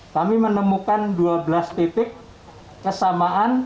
kami menemukan dua belas titik kesamaan